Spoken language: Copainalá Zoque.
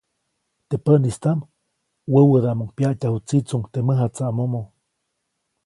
Teʼ päʼnistaʼm wäwädaʼmʼuŋ pyaʼtyaju tsitsuuŋ teʼ mäjatsaʼmomo.